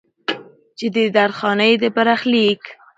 چې د درخانۍ د برخليک